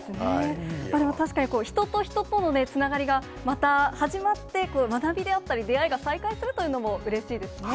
でも確かに、人と人とのつながりがまた始まって、学びであったり出会いが再開するというのもうれしいですね。